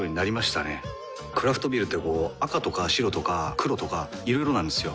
クラフトビールってこう赤とか白とか黒とかいろいろなんですよ。